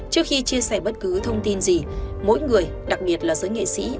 trước khi chia sẻ bất cứ thông tin gì mỗi người đặc biệt là giới nghệ sĩ